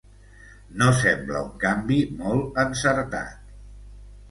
No sembla un canvi molt encertat!